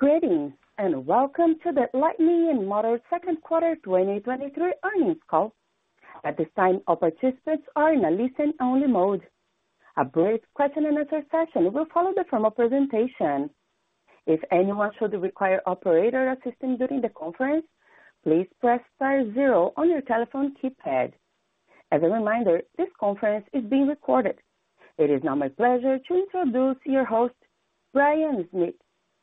Greetings, and welcome to the Lightning eMotors second quarter 2023 earnings call. At this time, all participants are in a listen-only mode. A brief question and answer session will follow the formal presentation. If anyone should require operator assistance during the conference, please press star zero on your telephone keypad. As a reminder, this conference is being recorded. It is now my pleasure to introduce your host, Brian Smith,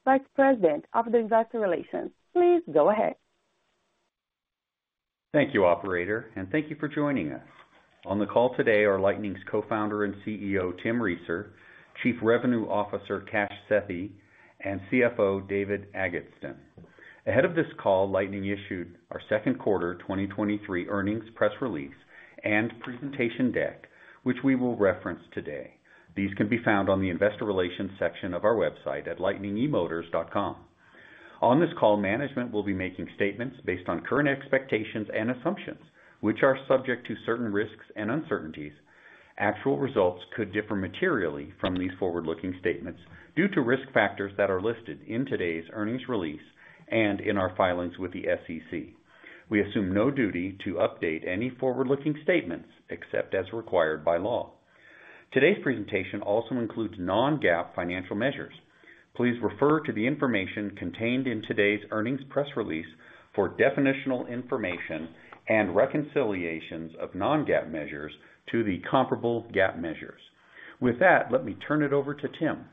Vice President, Investor Relations. Please go ahead. Thank you, operator, and thank you for joining us. On the call today are Lightning's Co-founder and CEO, Tim Reeser, Chief Revenue Officer, Kash Sethi, and CFO, David Agatston. Ahead of this call, Lightning issued our second quarter 2023 earnings press release and presentation deck, which we will reference today. These can be found on the investor relations section of our website at lightningemotors.com. On this call, management will be making statements based on current expectations and assumptions, which are subject to certain risks and uncertainties. Actual results could differ materially from these forward-looking statements due to risk factors that are listed in today's earnings release and in our filings with the SEC. We assume no duty to update any forward-looking statements except as required by law. Today's presentation also includes non-GAAP financial measures. Please refer to the information contained in today's earnings press release for definitional information and reconciliations of non-GAAP measures to the comparable GAAP measures. With that, let me turn it over to Tim.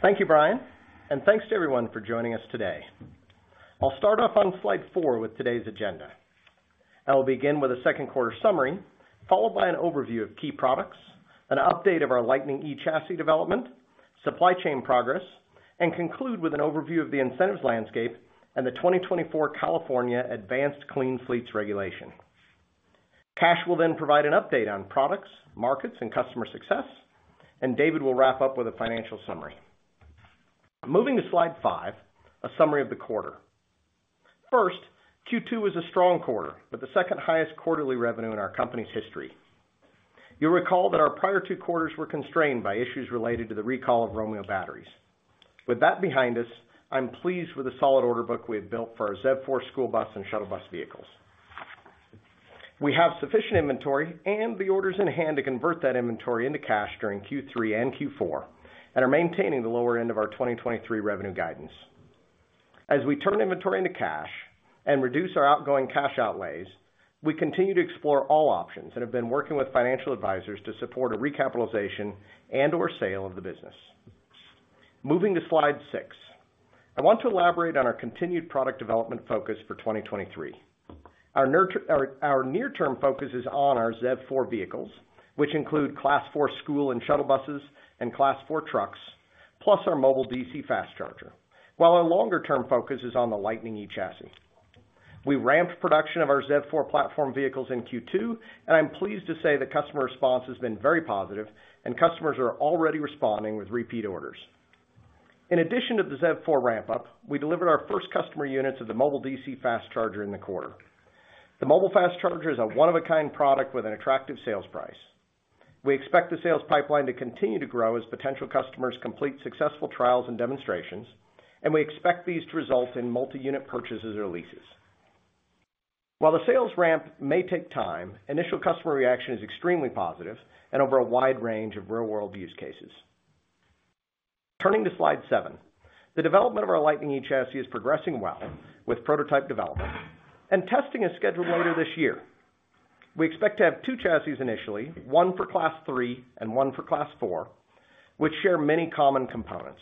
Thank you, Brian. Thanks to everyone for joining us today. I'll start off on slide four with today's agenda. I will begin with a second quarter summary, followed by an overview of key products, an update of our Lightning eChassis development, supply chain progress, and conclude with an overview of the incentives landscape and the 2024 California Advanced Clean Fleets regulation. Kash will then provide an update on products, markets, and customer success. David will wrap up with a financial summary. Moving to slide five, a summary of the quarter. First, Q2 was a strong quarter, with the second highest quarterly revenue in our company's history. You'll recall that our prior two quarters were constrained by issues related to the recall of Romeo batteries. With that behind us, I'm pleased with the solid order book we have built for our ZEV4 school bus and shuttle bus vehicles. We have sufficient inventory and the orders in hand to convert that inventory into cash during Q3 and Q4, are maintaining the lower end of our 2023 revenue guidance. As we turn inventory into cash and reduce our outgoing cash outlays, we continue to explore all options and have been working with financial advisors to support a recapitalization and/or sale of the business. Moving to slide six, I want to elaborate on our continued product development focus for 2023. Our near-term focus is on our ZEV4 vehicles, which include Class four school and shuttle buses and Class four trucks, plus our mobile DC fast charger, while our longer-term focus is on the Lightning eChassis. We ramped production of our ZEV4 platform vehicles in Q2, I'm pleased to say the customer response has been very positive, and customers are already responding with repeat orders. In addition to the ZEV4 ramp-up, we delivered our first customer units of the mobile DC fast charger in the quarter. The mobile DC fast charger is a one-of-a-kind product with an attractive sales price. We expect the sales pipeline to continue to grow as potential customers complete successful trials and demonstrations, and we expect these to result in multi-unit purchases or leases. While the sales ramp may take time, initial customer reaction is extremely positive and over a wide range of real-world use cases. Turning to slide seven, the development of our Lightning eChassis is progressing well with prototype development, and testing is scheduled later this year. We expect to have two chassis initially, one for Class three and one for Class four, which share many common components.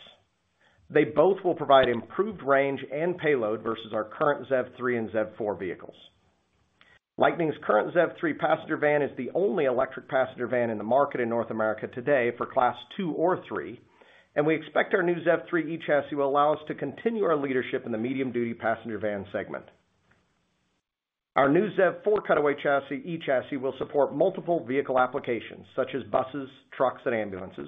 They both will provide improved range and payload versus our current ZEV3 and ZEV4 vehicles. Lightning's current ZEV3 passenger van is the only electric passenger van in the market in North America today for Class two or three. We expect our new ZEV3 e-chassis to allow us to continue our leadership in the medium-duty passenger van segment. Our new ZEV4 cutaway chassis, e-chassis, will support multiple vehicle applications, such as buses, trucks, and ambulances,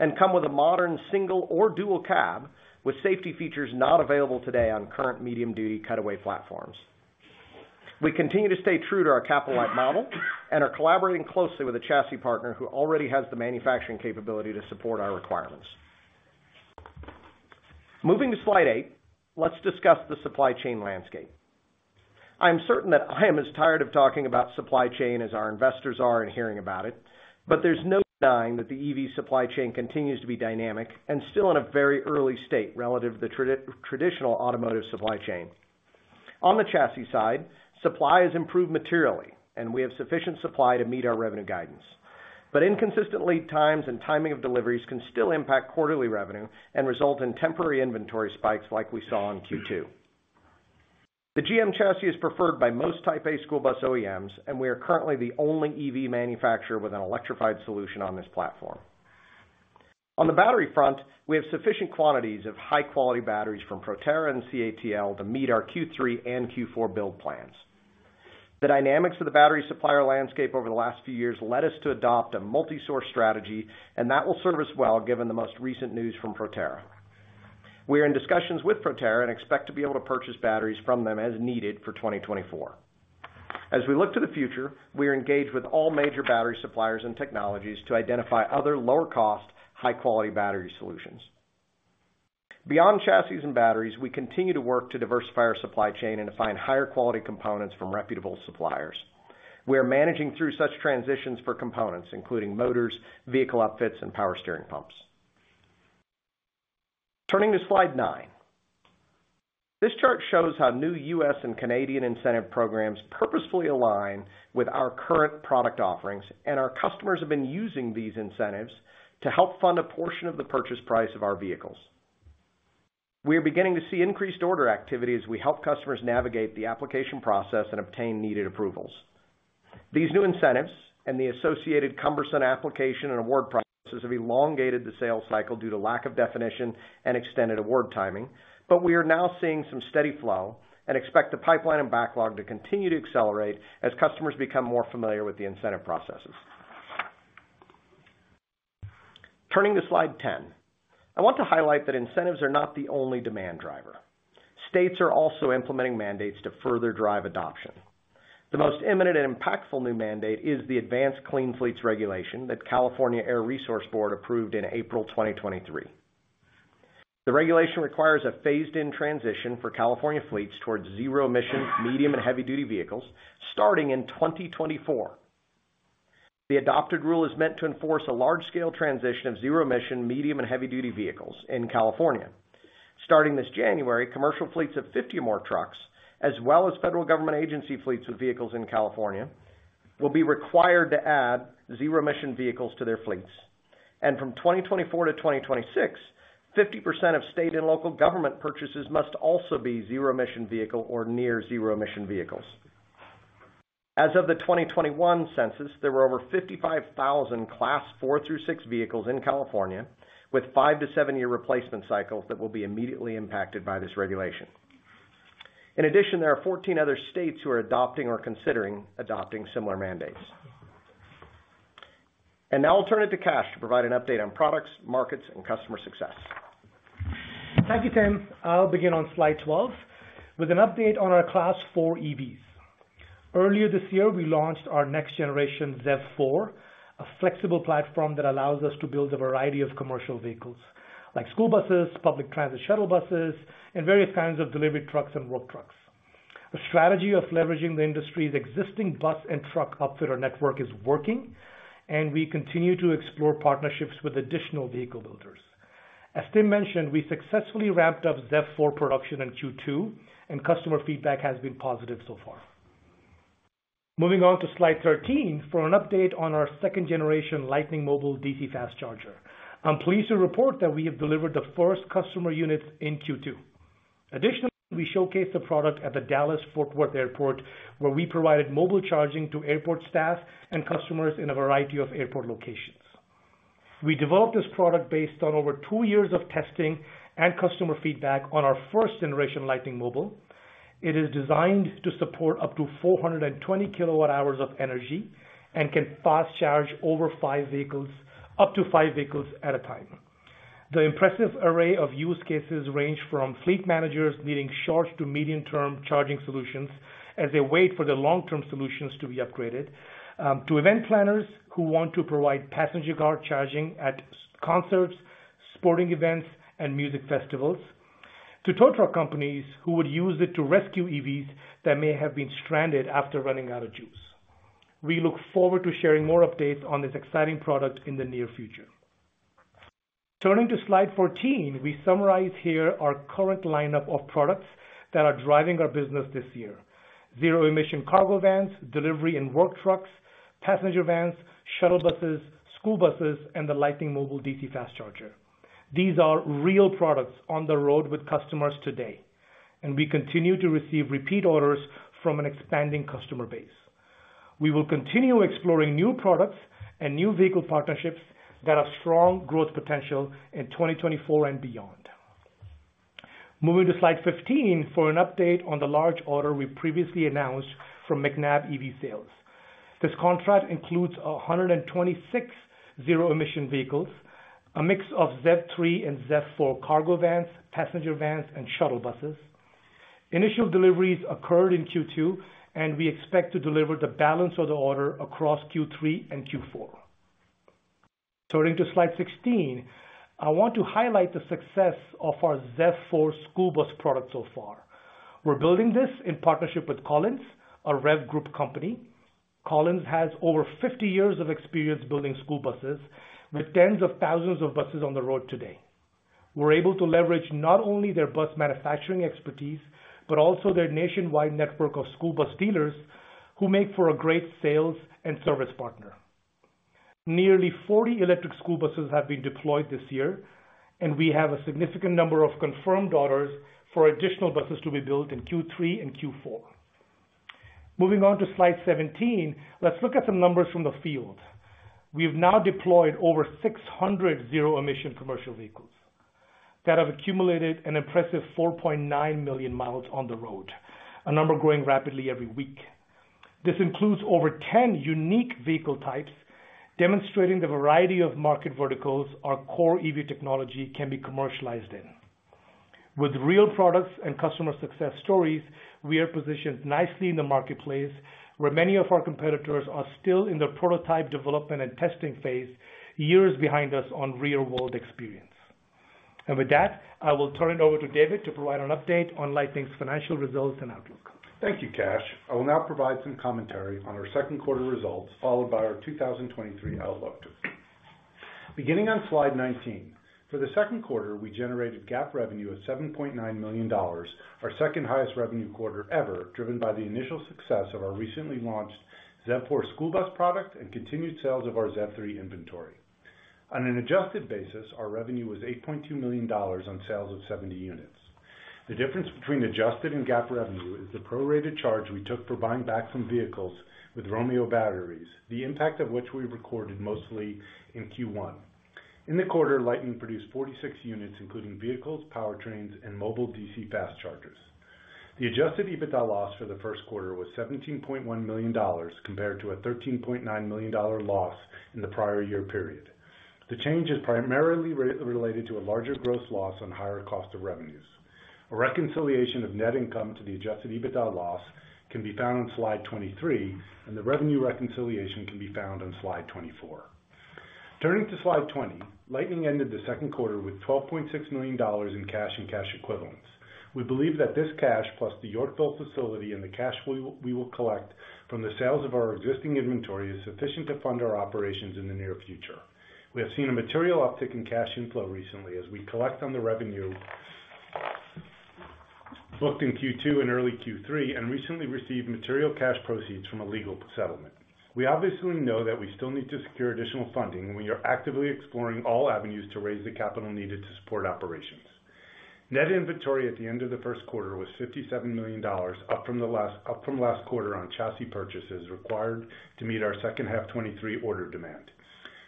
and come with a modern single or dual cab, with safety features not available today on current medium-duty cutaway platforms. We continue to stay true to our capital-light model and are collaborating closely with a chassis partner who already has the manufacturing capability to support our requirements. Moving to slide eight, let's discuss the supply chain landscape. I am certain that I am as tired of talking about supply chain as our investors are in hearing about it, there's no denying that the EV supply chain continues to be dynamic and still in a very early state relative to the traditional automotive supply chain. On the chassis side, supply has improved materially, and we have sufficient supply to meet our revenue guidance. Inconsistent lead times and timing of deliveries can still impact quarterly revenue and result in temporary inventory spikes like we saw in Q2. The GM chassis is preferred by most Type A school bus OEMs, and we are currently the only EV manufacturer with an electrified solution on this platform. On the battery front, we have sufficient quantities of high-quality batteries from Proterra and CATL to meet our Q3 and Q4 build plans. The dynamics of the battery supplier landscape over the last few years led us to adopt a multi-source strategy, and that will serve us well given the most recent news from Proterra. We are in discussions with Proterra and expect to be able to purchase batteries from them as needed for 2024. As we look to the future, we are engaged with all major battery suppliers and technologies to identify other lower cost, high-quality battery solutions. Beyond chassis and batteries, we continue to work to diversify our supply chain and to find higher quality components from reputable suppliers. We are managing through such transitions for components, including motors, vehicle outfits, and power steering pumps. Turning to slide nine. This chart shows how new US and Canadian incentive programs purposefully align with our current product offerings. Our customers have been using these incentives to help fund a portion of the purchase price of our vehicles. We are beginning to see increased order activity as we help customers navigate the application process and obtain needed approvals. These new incentives and the associated cumbersome application and award processes have elongated the sales cycle due to lack of definition and extended award timing. We are now seeing some steady flow and expect the pipeline and backlog to continue to accelerate as customers become more familiar with the incentive processes. Turning to slide 10, I want to highlight that incentives are not the only demand driver. States are also implementing mandates to further drive adoption. The most imminent and impactful new mandate is the Advanced Clean Fleets regulation that California Air Resources Board approved in April 2023. The regulation requires a phased-in transition for California fleets towards zero-emission, medium, and heavy-duty vehicles, starting in 2024. The adopted rule is meant to enforce a large-scale transition of zero-emission, medium, and heavy-duty vehicles in California. Starting this January, commercial fleets of 50 more trucks, as well as federal government agency fleets with vehicles in California, will be required to add zero-emission vehicles to their fleets. From 2024 to 2026, 50% of state and local government purchases must also be zero-emission vehicle or near zero-emission vehicles. As of the 2021 census, there were over 55,000 Class four through six vehicles in California, with five to seven-year replacement cycles that will be immediately impacted by this regulation. In addition, there are 14 other states who are adopting or considering adopting similar mandates. Now I'll turn it to Kash to provide an update on products, markets, and customer success. Thank you, Tim. I'll begin on slide 12 with an update on our Class four EVs. Earlier this year, we launched our next generation ZEV4, a flexible platform that allows us to build a variety of commercial vehicles, like school buses, public transit, shuttle buses, and various kinds of delivery trucks and work trucks. The strategy of leveraging the industry's existing bus and truck upfitter network is working, and we continue to explore partnerships with additional vehicle builders. As Tim mentioned, we successfully wrapped up ZEV4 production in Q2, and customer feedback has been positive so far. Moving on to slide 13 for an update on our 2nd generation, Lightning Mobile DC fast charger. I'm pleased to report that we have delivered the first customer units in Q2. Additionally, we showcased the product at the Dallas Fort Worth Airport, where we provided mobile charging to airport staff and customers in a variety of airport locations. We developed this product based on over two years of testing and customer feedback on our first generation Lightning Mobile. It is designed to support up to 420 kWh of energy and can fast charge over five vehicles, up to five vehicles at a time. The impressive array of use cases range from fleet managers needing short to medium-term charging solutions as they wait for the long-term solutions to be upgraded, to event planners who want to provide passenger car charging at concerts, sporting events, and music festivals, to tow truck companies who would use it to rescue EVs that may have been stranded after running out of juice. We look forward to sharing more updates on this exciting product in the near future. Turning to slide 14, we summarize here our current lineup of products that are driving our business this year: zero-emission cargo vans, delivery and work trucks, passenger vans, shuttle buses, school buses, and the Lightning Mobile DC Fast Charger. These are real products on the road with customers today, and we continue to receive repeat orders from an expanding customer base. We will continue exploring new products and new vehicle partnerships that have strong growth potential in 2024 and beyond. Moving to slide 15 for an update on the large order we previously announced from Macnab EV Sales. This contract includes 126 zero-emission vehicles, a mix of ZEV3 and ZEV4 cargo vans, passenger vans, and shuttle buses. Initial deliveries occurred in Q2, and we expect to deliver the balance of the order across Q3 and Q4. Turning to slide 16, I want to highlight the success of our ZEV4 school bus product so far. We're building this in partnership with Collins, a REV Group company. Collins has over 50 years of experience building school buses with tens of thousands of buses on the road today. We're able to leverage not only their bus manufacturing expertise, but also their nationwide network of school bus dealers, who make for a great sales and service partner. Nearly 40 electric school buses have been deployed this year, and we have a significant number of confirmed orders for additional buses to be built in Q3 and Q4. Moving on to slide 17, let's look at some numbers from the field. We've now deployed over 600 zero-emission commercial vehicles that have accumulated an impressive 4.9 million miles on the road, a number growing rapidly every week. This includes over 10 unique vehicle types, demonstrating the variety of market verticals our core EV technology can be commercialized in. With real products and customer success stories, we are positioned nicely in the marketplace, where many of our competitors are still in the prototype development and testing phase, years behind us on real-world experience. With that, I will turn it over to David to provide an update on Lightning's financial results and outlook. Thank you, Kash. I will now provide some commentary on our second quarter results, followed by our 2023 outlook. Beginning on slide 19, for the second quarter, we generated GAAP revenue of $7.9 million, our second-highest revenue quarter ever, driven by the initial success of our recently launched ZEV4 school bus product and continued sales of our ZEV3 inventory. On an adjusted basis, our revenue was $8.2 million on sales of 70 units. The difference between adjusted and GAAP revenue is the prorated charge we took for buying back some vehicles with Romeo batteries, the impact of which we recorded mostly in Q1. In the quarter, Lightning produced 46 units, including vehicles, powertrains, and mobile DC fast chargers. The Adjusted EBITDA loss for the first quarter was $17.1 million, compared to a $13.9 million loss in the prior year period. The change is primarily related to a larger gross loss on higher cost of revenues. A reconciliation of net income to the Adjusted EBITDA loss can be found on slide 23, and the revenue reconciliation can be found on slide 24. Turning to slide 20, Lightning ended the second quarter with $12.6 million in cash and cash equivalents. We believe that this cash, plus the Yorkville facility and the cash we will collect from the sales of our existing inventory, is sufficient to fund our operations in the near future. We have seen a material uptick in cash inflow recently as we collect on the revenue booked in Q2 and early Q3, and recently received material cash proceeds from a legal settlement. We obviously know that we still need to secure additional funding, we are actively exploring all avenues to raise the capital needed to support operations. Net inventory at the end of the first quarter was $57 million, up from last quarter on chassis purchases required to meet our second half 2023 order demand.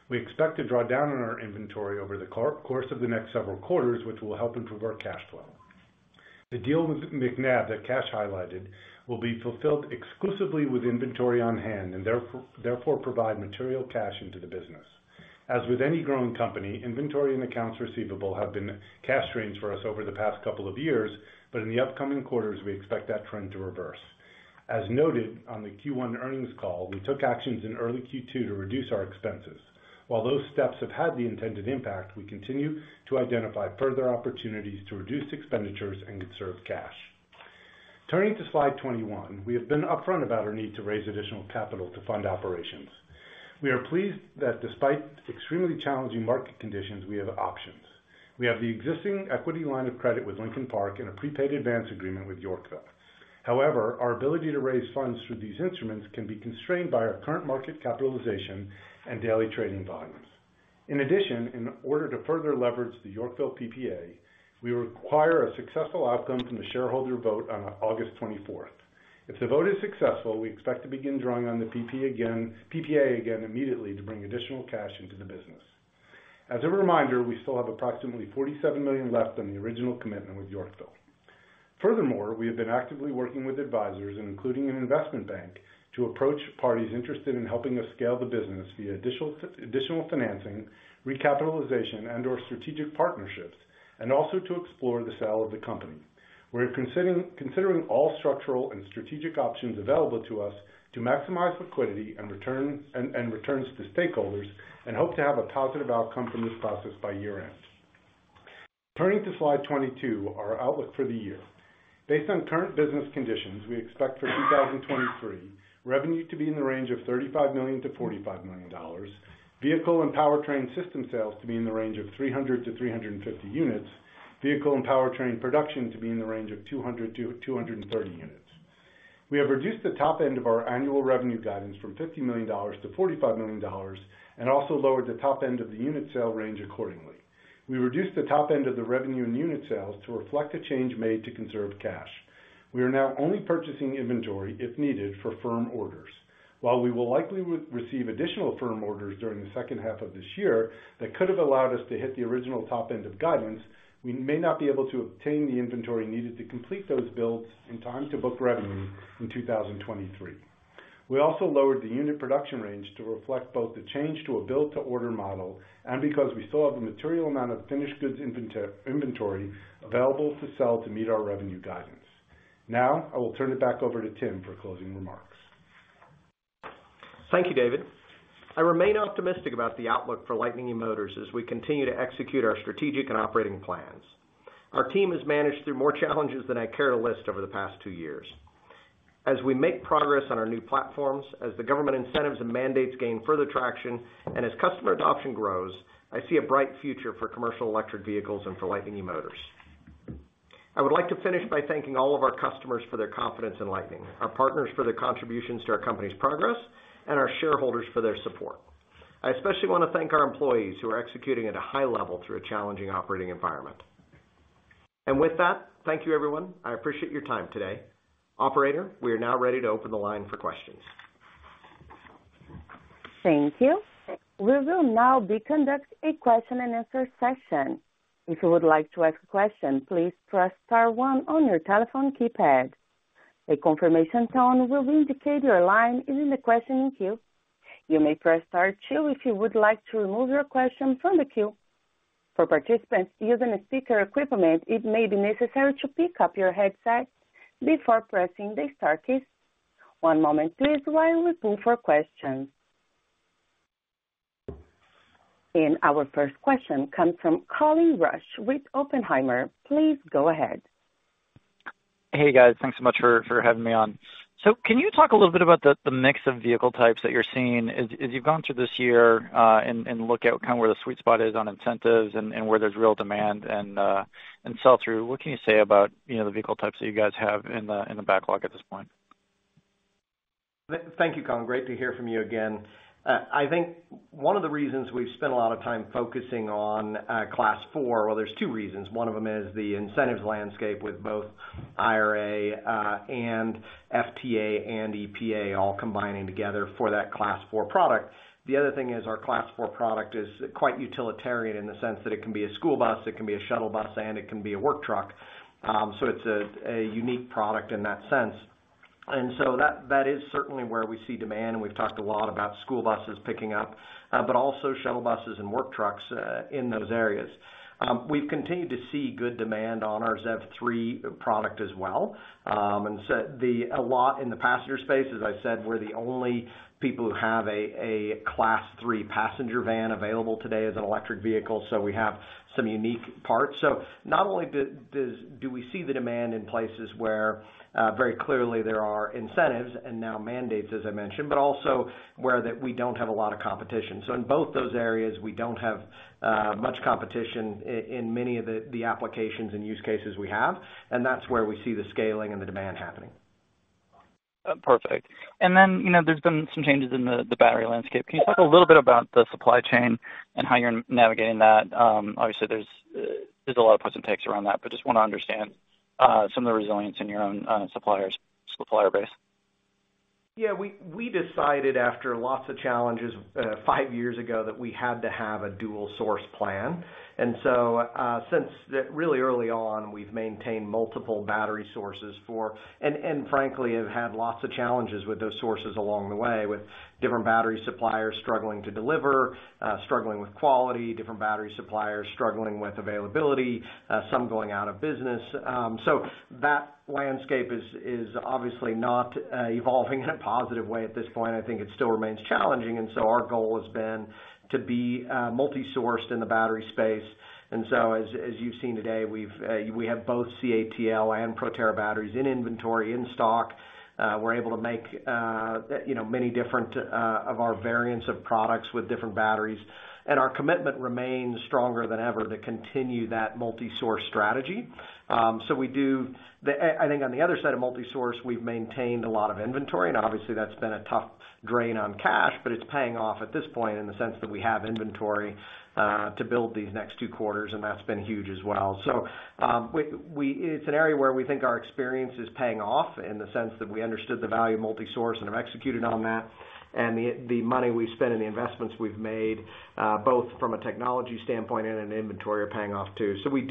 We expect to draw down on our inventory over the course of the next several quarters, which will help improve our cash flow. The deal with Macnab, that Kash highlighted, will be fulfilled exclusively with inventory on hand and therefore provide material cash into the business. As with any growing company, inventory and accounts receivable have been cash drains for us over the past couple of years. In the upcoming quarters, we expect that trend to reverse. As noted on the Q1 earnings call, we took actions in early Q2 to reduce our expenses. While those steps have had the intended impact, we continue to identify further opportunities to reduce expenditures and conserve cash. Turning to slide 21, we have been upfront about our need to raise additional capital to fund operations. We are pleased that despite extremely challenging market conditions, we have options. We have the existing equity line of credit with Lincoln Park and a prepaid advance agreement with Yorkville. However, our ability to raise funds through these instruments can be constrained by our current market capitalization and daily trading volumes. In addition, in order to further leverage the Yorkville PPA, we require a successful outcome from the shareholder vote on August 24th. If the vote is successful, we expect to begin drawing on the PPA again immediately to bring additional cash into the business. As a reminder, we still have approximately $47 million left on the original commitment with Yorkville. Furthermore, we have been actively working with advisors, including an investment bank, to approach parties interested in helping us scale the business via additional financing, recapitalization, and/or strategic partnerships, and also to explore the sale of the company. We're considering all structural and strategic options available to us to maximize liquidity and returns to stakeholders and hope to have a positive outcome from this process by year-end. Turning to slide 22, our outlook for the year. Based on current business conditions, we expect for 2023, revenue to be in the range of $35 million-$45 million, vehicle and powertrain system sales to be in the range of 300-350 units, vehicle and powertrain production to be in the range of 200-230 units. We have reduced the top end of our annual revenue guidance from $50 million to $45 million, and also lowered the top end of the unit sale range accordingly. We reduced the top end of the revenue and unit sales to reflect a change made to conserve cash. We are now only purchasing inventory if needed for firm orders. While we will likely receive additional firm orders during the second half of this year, that could have allowed us to hit the original top end of guidance, we may not be able to obtain the inventory needed to complete those builds in time to book revenue in 2023. We also lowered the unit production range to reflect both the change to a build-to-order model and because we still have a material amount of finished goods inventory available to sell to meet our revenue guidance. I will turn it back over to Tim for closing remarks. Thank you, David. I remain optimistic about the outlook for Lightning eMotors as we continue to execute our strategic and operating plans. Our team has managed through more challenges than I care to list over the past two years. As we make progress on our new platforms, as the government incentives and mandates gain further traction, and as customer adoption grows, I see a bright future for commercial electric vehicles and for Lightning eMotors. I would like to finish by thanking all of our customers for their confidence in Lightning, our partners for their contributions to our company's progress, and our shareholders for their support. I especially want to thank our employees, who are executing at a high level through a challenging operating environment. With that, thank you, everyone. I appreciate your time today. Operator, we are now ready to open the line for questions. Thank you. We will now be conduct a question and answer session. If you would like to ask a question, please press star one on your telephone keypad. A confirmation tone will indicate your line is in the questioning queue. You may press star two if you would like to remove your question from the queue. For participants using a speaker equipment, it may be necessary to pick up your headset before pressing the star key. One moment please while we pull for questions. Our first question comes from Colin Rusch with Oppenheimer. Please go ahead. Hey, guys. Thanks so much for, for having me on. Can you talk a little bit about the, the mix of vehicle types that you're seeing as, as you've gone through this year, and, and look at kind of where the sweet spot is on incentives and, and where there's real demand and, and sell through? What can you say about, you know, the vehicle types that you guys have in the, in the backlog at this point? Thank you, Colin. Great to hear from you again. I think one of the reasons we've spent a lot of time focusing on Class four, well, there's two reasons. One of them is the incentives landscape with both IRA, and FTA and EPA all combining together for that Class four product. The other thing is our Class four product is quite utilitarian in the sense that it can be a school bus, it can be a shuttle bus, and it can be a work truck. So it's a unique product in that sense. That, that is certainly where we see demand, and we've talked a lot about school buses picking up, but also shuttle buses and work trucks, in those areas. We've continued to see good demand on our ZEV3 product as well. So a lot in the passenger space, as I said, we're the only people who have a, a Class three passenger van available today as an electric vehicle, so we have some unique parts. Not only do we see the demand in places where very clearly there are incentives and now mandates, as I mentioned, but also where that we don't have a lot of competition. In both those areas, we don't have much competition in many of the applications and use cases we have, and that's where we see the scaling and the demand happening. Perfect. Then, you know, there's been some changes in the battery landscape. Can you talk a little bit about the supply chain and how you're navigating that? Obviously, there's a lot of puts and takes around that, but just want to understand some of the resilience in your own supplier base. Yeah, we, we decided after lots of challenges, five years ago that we had to have a dual source plan. Since really early on, we've maintained multiple battery sources for... And frankly, have had lots of challenges with those sources along the way, with different battery suppliers struggling to deliver, struggling with quality, different battery suppliers struggling with availability, some going out of business. That landscape is, is obviously not evolving in a positive way at this point. I think it still remains challenging, our goal has been to be multi-sourced in the battery space. As, as you've seen today, we've, we have both CATL and Proterra batteries in inventory, in stock. We're able to make, you know, many different of our variants of products with different batteries. Our commitment remains stronger than ever to continue that multi-source strategy. We do, I think on the other side of multi-source, we've maintained a lot of inventory, and obviously, that's been a tough drain on cash, but it's paying off at this point in the sense that we have inventory to build these next two quarters, and that's been huge as well. We, it's an area where we think our experience is paying off in the sense that we understood the value of multi-source and have executed on that, and the, the money we've spent and the investments we've made, both from a technology standpoint and an inventory, are paying off, too. We,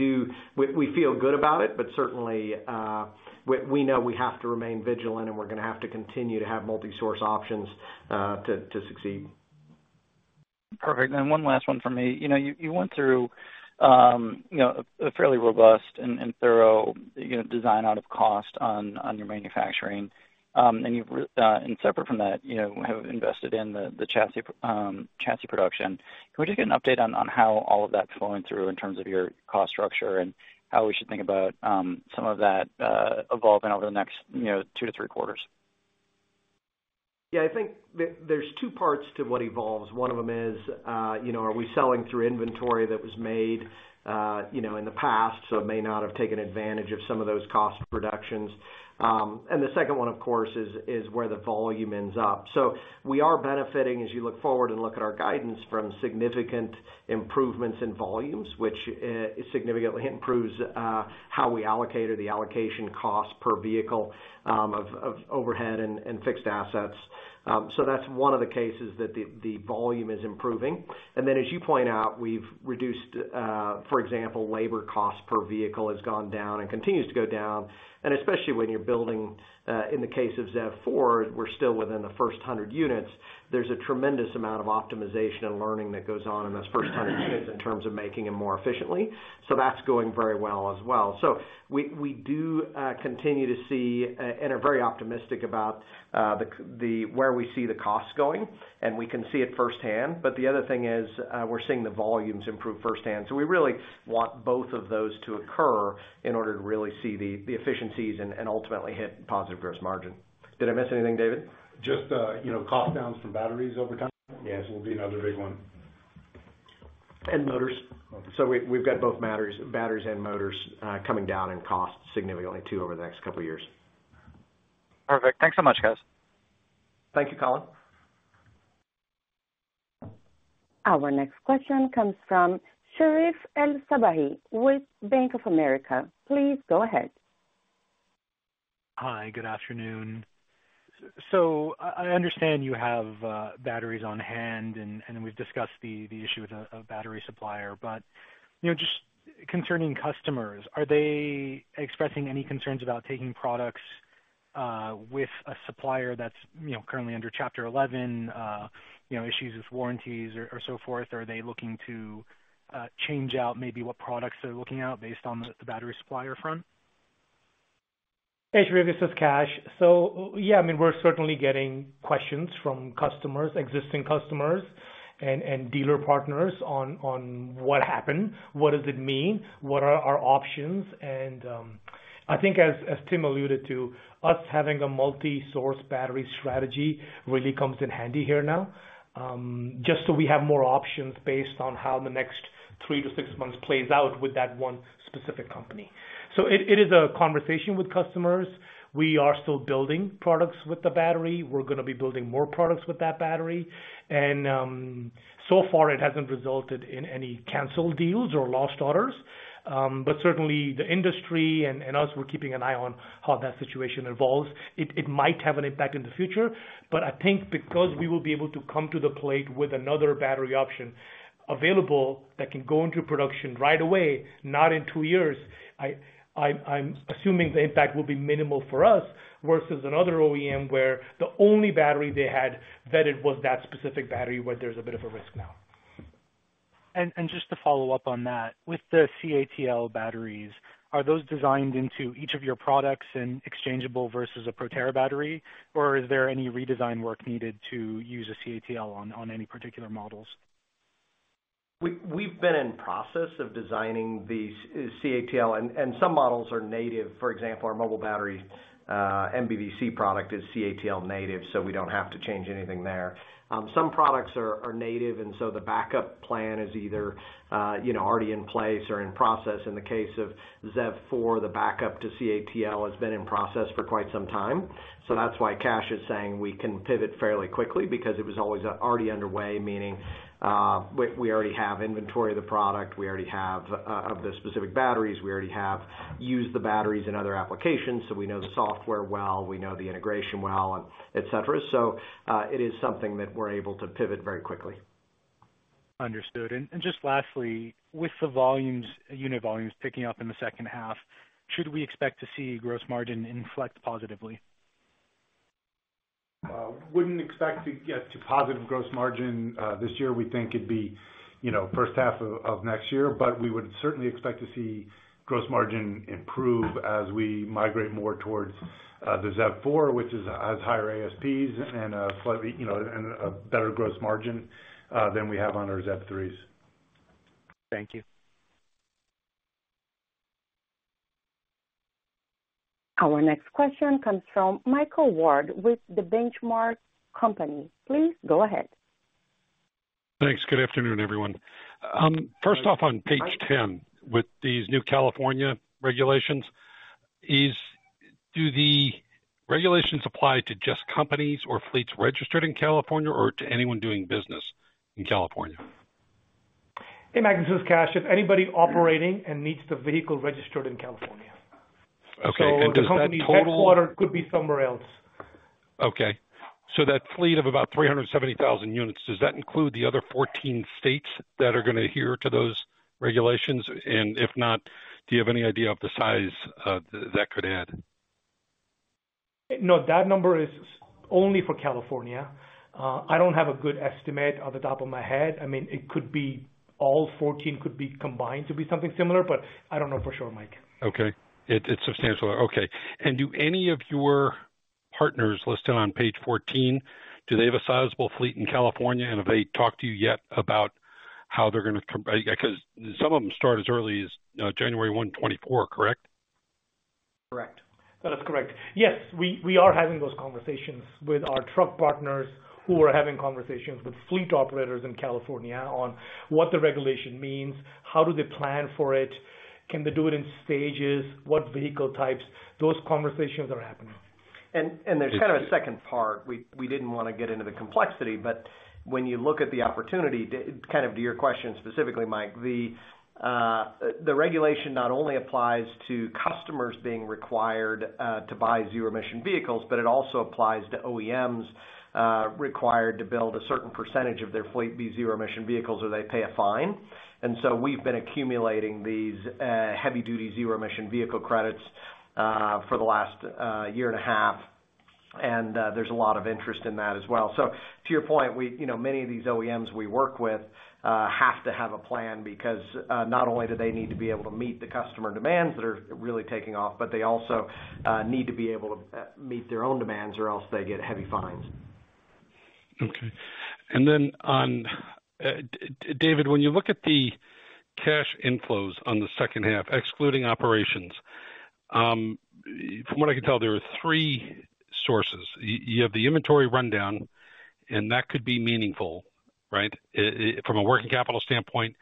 we feel good about it, but certainly, we, we know we have to remain vigilant, and we're going to have to continue to have multi-source options, to succeed. Perfect. One last one from me. You know, you, you went through, you know, a, a fairly robust and, and thorough, you know, design out of cost on, on your manufacturing. And you've separate from that, you know, have invested in the, the chassis production. Can we just get an update on, on how all of that's flowing through in terms of your cost structure and how we should think about, some of that evolving over the next, you know, two to three quarters? Yeah, I think there, there's two parts to what evolves. One of them is, you know, are we selling through inventory that was made, you know, in the past, so it may not have taken advantage of some of those cost reductions. The second one, of course, is, is where the volume ends up. We are benefiting, as you look forward and look at our guidance from significant improvements in volumes, which significantly improves how we allocate or the allocation cost per vehicle of overhead and fixed assets. That's one of the cases that the, the volume is improving. Then, as you point out, we've reduced... For example, labor costs per vehicle has gone down and continues to go down, and especially when you're building, in the case of ZEV4, we're still within the first 100 units, there's a tremendous amount of optimization and learning that goes on in those first 100 units in terms of making it more efficiently. That's going very well as well. We, we do continue to see and are very optimistic about where we see the costs going, and we can see it firsthand. The other thing is, we're seeing the volumes improve firsthand. We really want both of those to occur in order to really see the efficiencies and ultimately hit positive gross margin. Did I miss anything, David? Just, you know, cost downs from batteries over time. Yes, will be another big one and motors. Okay, we've got both matters, batteries and motors, coming down in cost significantly, too, over the next couple of years. Perfect. Thanks so much, guys. Thank you, Colin. Our next question comes from Sherif El-Sabbahy with Bank of America. Please go ahead. Hi, good afternoon. So I understand you have batteries on hand, and we've discussed the issue with a battery supplier. You know, just concerning customers, are they expressing any concerns about taking products with a supplier that's, you know, currently under Chapter 11, you know, issues with warranties or so forth? Are they looking to change out maybe what products they're looking at based on the battery supplier front? Hey, Sherif, this is Kash. Yeah, I mean, we're certainly getting questions from customers, existing customers and, and dealer partners on, on what happened, what does it mean, what are our options? I think as, as Tim alluded to, us having a multi-source battery strategy really comes in handy here now, just so we have more options based on how the next three to six months plays out with that one specific company. It, it is a conversation with customers. We are still building products with the battery. We're gonna be building more products with that battery, and so far it hasn't resulted in any canceled deals or lost orders. Certainly the industry and, and us, we're keeping an eye on how that situation evolves. It might have an impact in the future, but I think because we will be able to come to the plate with another battery option available that can go into production right away, not in two years, I'm assuming the impact will be minimal for us, versus another OEM, where the only battery they had vetted was that specific battery, where there's a bit of a risk now. Just to follow up on that, with the CATL batteries, are those designed into each of your products and exchangeable versus a Proterra battery, or is there any redesign work needed to use a CATL on any particular models? We've been in process of designing the CATL, and some models are native. For example, our mobile battery, MBVC product is CATL native, so we don't have to change anything there. Some products are native, and so the backup plan is either, you know, already in place or in process. In the case of ZEV4, the backup to CATL has been in process for quite some time. That's why Kash is saying we can pivot fairly quickly, because it was always already underway, meaning we already have inventory of the product, we already have of the specific batteries, we already have used the batteries in other applications, so we know the software well, we know the integration well, and et cetera. It is something that we're able to pivot very quickly. Understood. Just lastly, with the volumes, unit volumes picking up in the second half, should we expect to see gross margin inflect positively? Wouldn't expect to get to positive gross margin this year. We think it'd be, you know, first half of next year, but we would certainly expect to see gross margin improve as we migrate more towards the ZEV4, which is, has higher ASPs and, slightly, you know, and a better gross margin than we have on our ZEV3s. Thank you. Our next question comes from Michael Ward with The Benchmark Company. Please go ahead. Thanks. Good afternoon, everyone. First off, on page 10, with these new California regulations, do the regulations apply to just companies or fleets registered in California or to anyone doing business in California? Hey, Mike, this is Kash. If anybody operating and needs the vehicle registered in California. Okay, does that total- The company's headquarters could be somewhere else. Okay. That fleet of about 370,000 units, does that include the other 14 states that are gonna adhere to those regulations? If not, do you have any idea of the size that could add? No, that number is only for California. I don't have a good estimate off the top of my head. I mean, it could be all 14 could be combined to be something similar, but I don't know for sure, Mike. Okay. It, it's substantial. Okay. Do any of your partners listed on page 14, do they have a sizable fleet in California, and have they talked to you yet about how they're gonna com- 'cause some of them start as early as January 1, 2024, correct? Correct. That is correct. Yes, we, we are having those conversations with our truck partners, who are having conversations with fleet operators in California on what the regulation means, how do they plan for it, can they do it in stages, what vehicle types? Those conversations are happening. There's kind of a second part. We, we didn't want to get into the complexity, but when you look at the opportunity, kind of to your question specifically, Mike, the regulation not only applies to customers being required to buy zero-emission vehicles, but it also applies to OEMs required to build a certain percentage of their fleet be zero-emission vehicles, or they pay a fine. We've been accumulating these heavy-duty zero-emission vehicle credits for the last 1.5 years, and there's a lot of interest in that as well. To your point, we, you know, many of these OEMs we work with, have to have a plan because not only do they need to be able to meet the customer demands that are really taking off, but they also need to be able to meet their own demands, or else they get heavy fines. Okay. Then on, David, when you look at the cash inflows on the second half, excluding operations, from what I can tell, there are three sources. You have the inventory rundown, and that could be meaningful, right? From a working capital standpoint,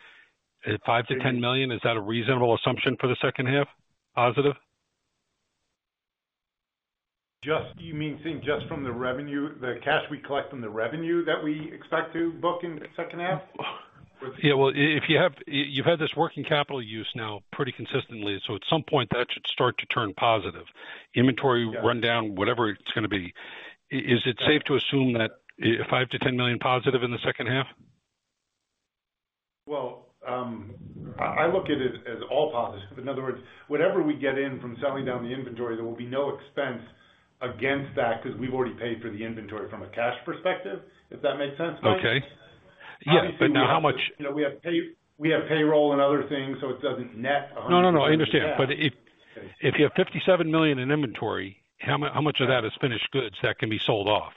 $5 million-$10 million, is that a reasonable assumption for the second half, positive? You mean saying just from the revenue, the cash we collect from the revenue that we expect to book in the second half? Yeah, well, if you have, you've had this working capital use now pretty consistently, so at some point, that should start to turn positive. Inventory rundown, whatever it's gonna be. Is it safe to assume that $5 million-$10 million positive in the second half? Well, I, I look at it as all positive. In other words, whatever we get in from selling down the inventory, there will be no expense against that, because we've already paid for the inventory from a cash perspective, if that makes sense, Mike? Okay. Yeah, now how much- You know, we have payroll and other things, so it doesn't net 100%. No, no, no, I understand. If, if you have $57 million in inventory, how much of that is finished goods that can be sold off?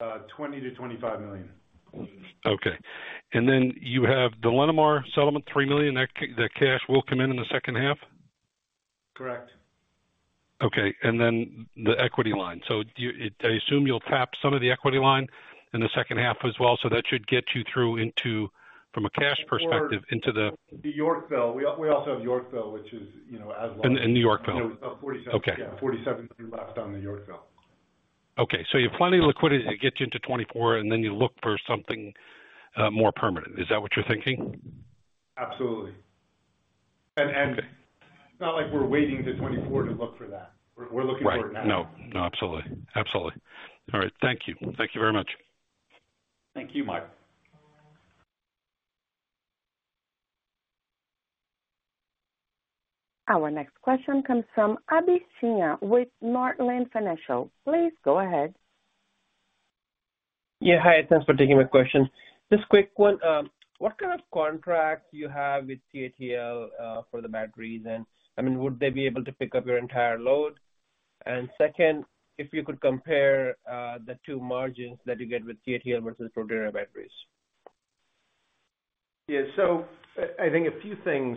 $20 million-$25 million. Okay. Then you have the Linamar settlement, $3 million. That cash will come in in the second half? Correct. Okay, the equity line. I assume you'll tap some of the equity line in the second half as well, that should get you through into, from a cash perspective, into the... Yorkville. We also have Yorkville, which is, you know, as well. in Yorkville? $47 million. Okay. Yeah, $47 million left on the Yorkville. Okay, you have plenty of liquidity to get you into 2024, and then you look for something more permanent. Is that what are you thinking? Absolutely. Okay. It's not like we're waiting to 2024 to look for that. We're, we're looking for it now. Right. No, no, absolutely. Absolutely. All right. Thank you. Thank you very much. Thank you, Mike. Our next question comes from Abhi Sinha with Northland Securities. Please go ahead. Yeah, hi. Thanks for taking my question. Just quick one. What kind of contract do you have with CATL for the batteries? I mean, would they be able to pick up your entire load? Second, if you could compare, the two margins that you get with CATL versus Proterra batteries. Yeah. So I, I think a few things.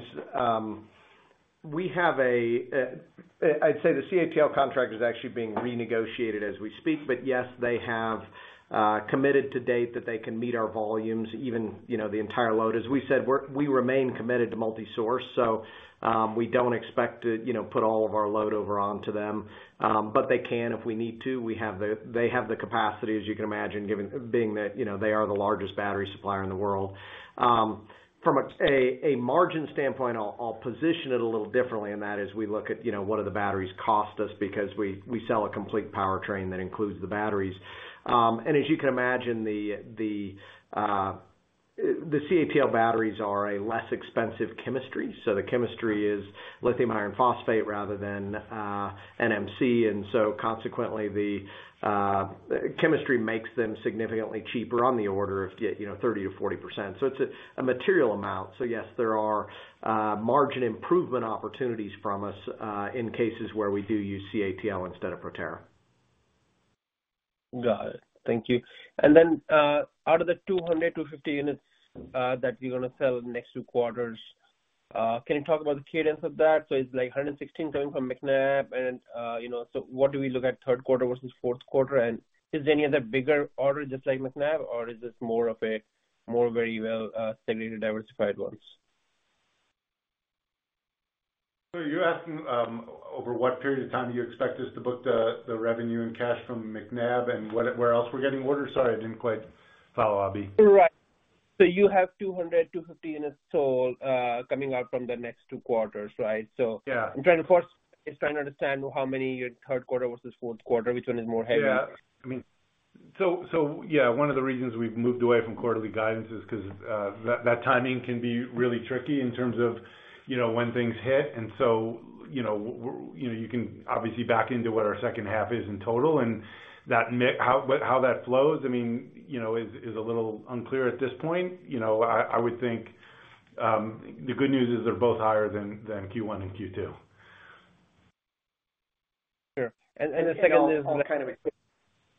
We have a, I'd say the CATL contract is actually being renegotiated as we speak, but yes, they have committed to date that they can meet our volumes, even, you know, the entire load. As we said, we remain committed to multi-source, so, we don't expect to, you know, put all of our load over onto them. But they can if we need to. We have the They have the capacity, as you can imagine, given being that, you know, they are the largest battery supplier in the world. From a, a, a margin standpoint, I'll, I'll position it a little differently, and that is, we look at, you know, what are the batteries cost us because we, we sell a complete powertrain that includes the batteries. As you can imagine, the, the CATL batteries are a less expensive chemistry. The chemistry is lithium iron phosphate rather than NMC. Consequently, the chemistry makes them significantly cheaper on the order of you know, 30%-40%. It's a material amount. Yes, there are margin improvement opportunities from us in cases where we do use CATL instead of Proterra. Got it. Thank you. Then, out of the 200-250 units, that you're gonna sell next two quarters, can you talk about the cadence of that? It's like 116 coming from Macnab, and, you know, what do we look at third quarter versus fourth quarter? Is there any other bigger order, just like Macnab, or is this more of a more very well, segmented, diversified ones? You're asking, over what period of time do you expect us to book the, the revenue and cash from Macnab and what, where else we're getting orders? Sorry, I didn't quite follow, Abhi. Right. You have 200, 250 units sold, coming out from the next 2 quarters, right? Yeah. Just trying to understand how many your third quarter versus fourth quarter, which one is more heavy? Yeah. I mean... so yeah, one of the reasons we've moved away from quarterly guidance is because that, that timing can be really tricky in terms of, you know, when things hit. You know, you can obviously back into what our second half is in total, and how, how that flows, I mean, you know, is, is a little unclear at this point. You know, I, I would think the good news is they're both higher than, than Q1 and Q2. Sure. And the second is kind of.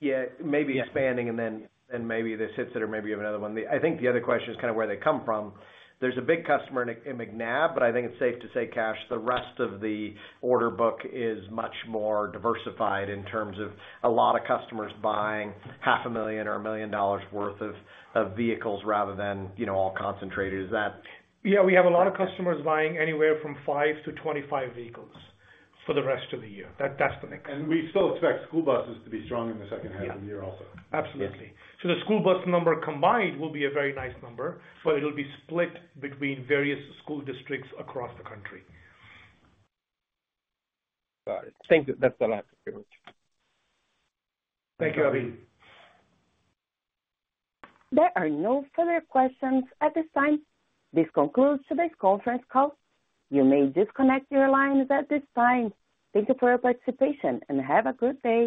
Yeah, maybe expanding and then, and maybe this hits it or maybe you have another one. I think the other question is kind of where they come from. There's a big customer in, in Macnab, but I think it's safe to say, Kash, the rest of the order book is much more diversified in terms of a lot of customers buying $500,000 or $1 million worth of, of vehicles rather than, you know, all concentrated. Is that? Yeah, we have a lot of customers buying anywhere from 5 to 25 vehicles for the rest of the year. That, that's the mix. We still expect school buses to be strong in the second half of the year also. Absolutely. Yeah. The school bus number combined will be a very nice number, but it'll be split between various school districts across the country. Got it. Thank you. That's the last. Thank you very much. Thank you, Abhi. There are no further questions at this time. This concludes today's conference call. You may disconnect your lines at this time. Thank you for your participation, and have a good day.